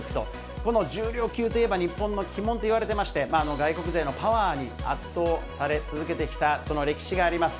この重量級といえば、日本の鬼門といわれてまして、外国勢のパワーに圧倒され続けてきた、その歴史があります。